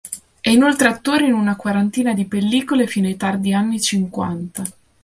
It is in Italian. È inoltre attore in una quarantina di pellicole fino ai tardi anni cinquanta.